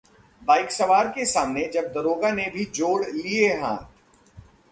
bike सवार के सामने जब दारोगा ने भी जोड़ लिए हाथ...